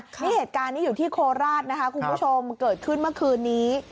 นี่เหตุการณ์นี้อยู่ที่โคราชนะคะคุณผู้ชมเกิดขึ้นเมื่อคืนนี้